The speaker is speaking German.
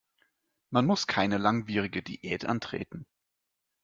Man muss keine langwierige Diät antreten.